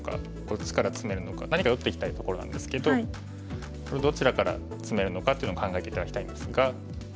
こっちからツメるのか何か打っていきたいところなんですけどこれどちらからツメるのかというのを考えて頂きたいんですが。